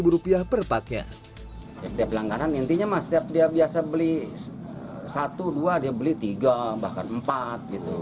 rupiah perpaknya langgaran intinya masjid dia biasa beli dua belas dia beli tiga bahkan empat gitu